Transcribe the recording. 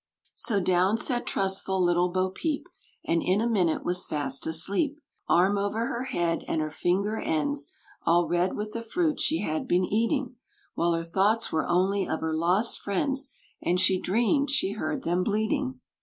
So down sat trustful little Bo Peep, And in a minute was fast asleep! Arm over her head, and her finger ends All red with the fruit she had been eating; While her thoughts were only of her lost friends, And she dreamed she heard them bleating.